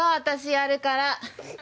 私やるから。